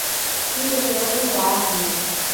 Ribeirão do Largo